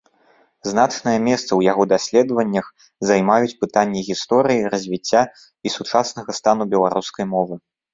Значнае месца ў яго даследаваннях займаюць пытанні гісторыі развіцця і сучаснага стану беларускай мовы.